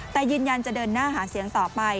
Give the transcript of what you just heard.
แต่ยืนยันจะเดินหน้าหาเสียงต่อไป